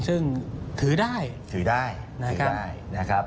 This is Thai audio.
ซึ่งถือได้ถือได้ถือได้นะครับ